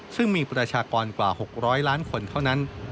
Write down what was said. ซึ่งมีประชากรกว่า๖๐๐ล้านคนเท่านั้น